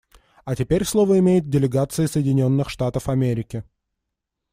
А теперь слово имеет делегация Соединенных Штатов Америки.